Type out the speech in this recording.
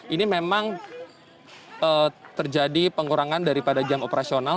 ini memang terjadi pengurangan daripada jam operasional